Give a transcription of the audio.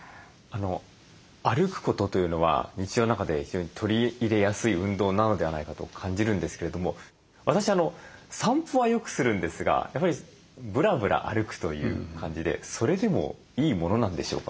歩くことというのは日常の中で非常に取り入れやすい運動なのではないかと感じるんですけれども私散歩はよくするんですがやっぱりブラブラ歩くという感じでそれでもいいものなんでしょうか？